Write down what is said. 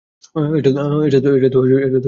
এটা তো অনেক বড় সমস্যা।